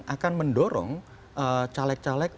akan mendorong caleg caleg